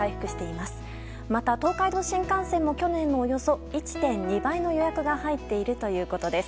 また東海道新幹線も去年のおよそ１．２倍の予約が入っているということです。